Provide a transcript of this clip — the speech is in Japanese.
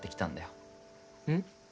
うん？